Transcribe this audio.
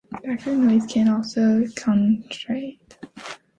Background noise can also affect concentration.